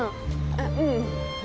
あっうん。